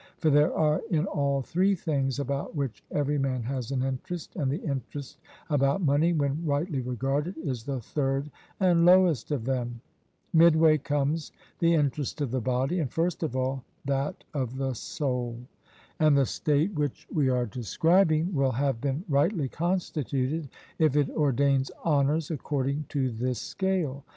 For there are in all three things about which every man has an interest; and the interest about money, when rightly regarded, is the third and lowest of them: midway comes the interest of the body; and, first of all, that of the soul; and the state which we are describing will have been rightly constituted if it ordains honours according to this scale.